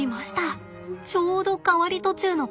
ちょうど変わり途中の子です。